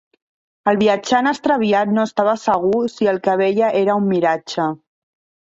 El viatjant extraviat no estava segur si el que veia era un miratge.